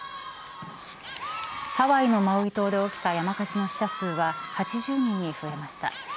ハワイのマウイ島で起きた山火事の死者数は８０人に増えました。